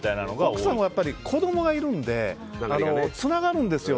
奥さんは子供がいるのでつながるんですよ。